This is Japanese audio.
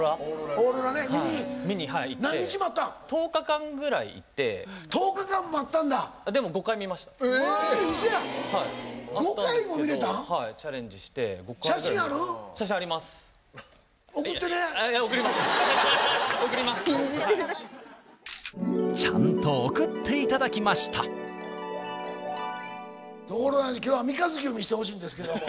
オーロラじゃなくて今日は「三日月」を見してほしいんですけども。